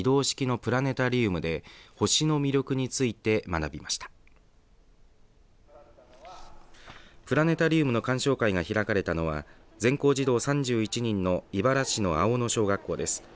プラネタリウムの鑑賞会が開かれたのは全校児童３１人の井原市の青野小学校です。